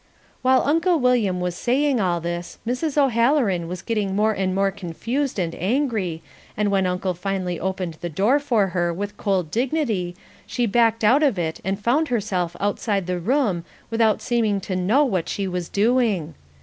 While Uncle William was saying all this Mrs. O'Halloran was getting more and more confused and angry, and when Uncle finally opened the door for her with cold dignity, she backed out of it and found herself outside the room without seeming to know what she was doing.